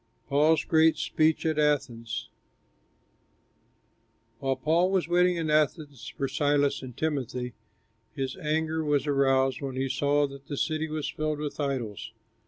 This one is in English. PAUL'S GREAT SPEECH AT ATHENS While Paul was waiting at Athens for Silas and Timothy, his anger was aroused when he saw that the city was filled with idols.